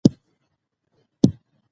پاکیزه پرون لیکنه ولیکله.